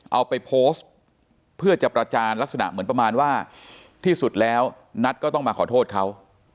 เอาไปโพสต์เพื่อจะประจานลักษณะเหมือนประมาณว่าที่สุดแล้วนัทก็ต้องมาขอโทษเขา